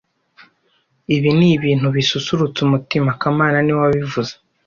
Ibi ni ibintu bisusurutsa umutima kamana niwe wabivuze